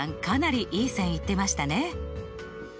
かなりいい線いってましたね。